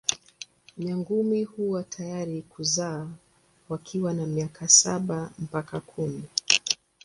Nyangumi huwa tayari kuzaa wakiwa na miaka saba mpaka kumi.